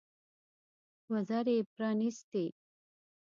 وزرې یې پرانيستې.